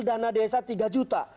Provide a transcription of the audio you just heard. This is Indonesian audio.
dana desa tiga juta